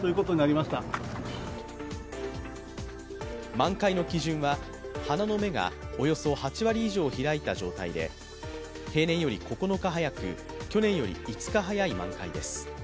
満開の基準は、花の芽がおよそ８割以上開いた状態で平年より９日早く、去年より５日早い満開です。